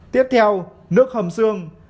tiếp theo nước hầm xương